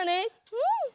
うん。